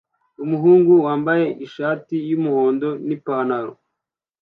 Umuhungu wambaye ishati yumuhondo nipantaro